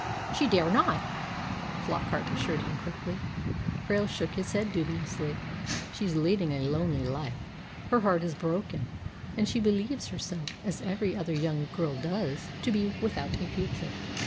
"She dare not," Flockart assured him quickly. Krail shook his head dubiously. "She's leading a lonely life. Her heart is broken, and she believes herself, as every other young girl does, to be without a future.